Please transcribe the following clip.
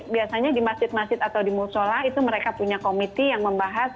biasanya di masjid masjid atau di musola itu mereka punya komiti yang membahas